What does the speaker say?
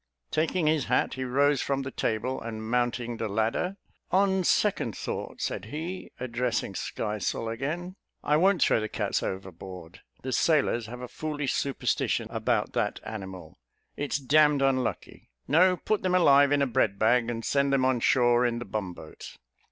Taking his hat, he rose from the table, and mounting the ladder, "On second thought," said he, addressing Skysail again, "I won't throw the cats overboard; the sailors have a foolish superstition about that animal its d d unlucky. No; put them alive in a bread bag, and send them on shore in the bum boat."